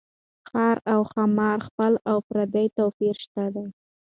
ښار او ښامار خپل او پردي توپير شته دي